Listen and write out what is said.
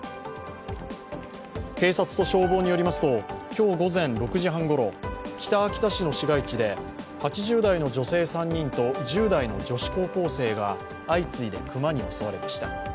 警察と消防によりますと、今日午前６時半ごろ、北秋田市の市街地で、８０代の女性３人と１０代の女子高校生が相次いで熊に襲われました。